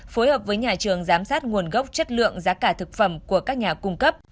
phối hợp với nhà trường giám sát nguồn gốc chất lượng giá cả thực phẩm của các nhà cung cấp